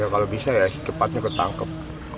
ya kalau bisa ya cepatnya ketangkep